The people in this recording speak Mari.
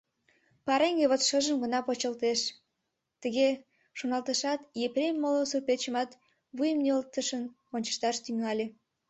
Пареҥге вот шыжым гына почылтеш», — тыге шоналтышат, Еремей моло суртпечымат вуйым нӧлтыштын ончышташ тӱҥале.